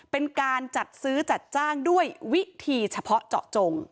เป็นการจัดซื้อจัดจ้างด้วยวิธีเฉพาะเจาะจง